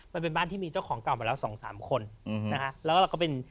มันเป็นบ้านที่มีเจ้าของกล่อมาแล้ว๒๓คน